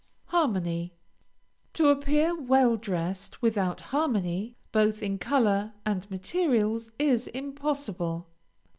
HARMONY To appear well dressed without harmony, both in color and materials, is impossible.